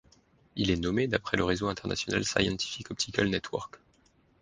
Il est nommé d'après le réseau International Scientific Optical Network.